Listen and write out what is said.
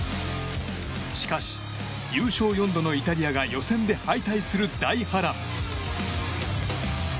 しかし、優勝４度のイタリアが予選で敗退する大波乱。